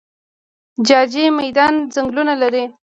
جاجي میدان ځنګلونه لري؟